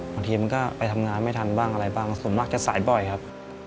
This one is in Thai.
บางทีมันก็ไปทำงานไม่ทันบ้างอะไรบ้างส่วนมากจะสายบ่อยครับ